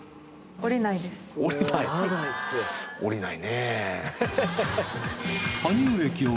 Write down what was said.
降りない。